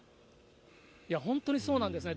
いや、本当にそうなんですね。